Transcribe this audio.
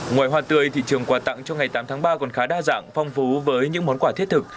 ngoài hoa tươi thị trường quà tặng cho ngày tám tháng ba còn khá đa dạng phong phú với những món quà thiết thực